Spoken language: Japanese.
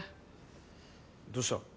どうした？